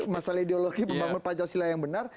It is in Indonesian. masalah ideologi pembangun panjang silai yang benar